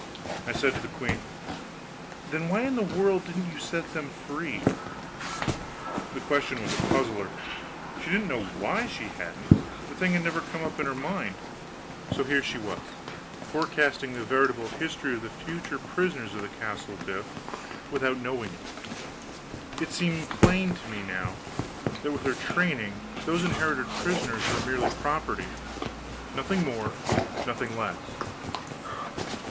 I said to the queen: "Then why in the world didn't you set them free?" The question was a puzzler. She didn't know why she hadn't, the thing had never come up in her mind. So here she was, forecasting the veritable history of future prisoners of the Castle d'If, without knowing it. It seemed plain to me now, that with her training, those inherited prisoners were merely property nothing more, nothing less.